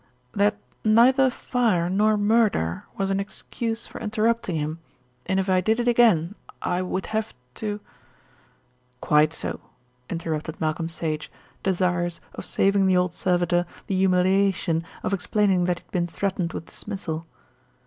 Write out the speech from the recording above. "That neither fire nor murder was an excuse for interrupting him, and if I did it again I would have to " "Quite so," interrupted Malcolm Sage, desirous of saving the old servitor the humiliation of explaining that he had been threatened with dismissal.